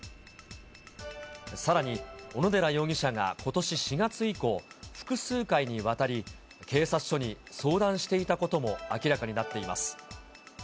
さらに、小野寺容疑者がことし４月以降、複数回にわたり、警察署に相談していたことも明らかになっています。